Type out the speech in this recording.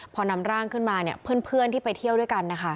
พอนำร่างขึ้นมาเนี่ยเพื่อนที่ไปเที่ยวด้วยกันนะคะ